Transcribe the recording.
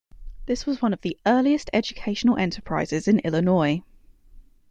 This was one of the earliest educational enterprises in Illinois.